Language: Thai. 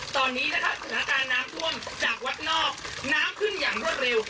ตอนนี้นะคะสถานการณ์น้ำท่วมจากวัดนอกน้ำขึ้นอย่างรวดเร็ว